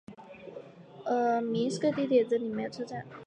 明斯克地铁在这里也设有车站。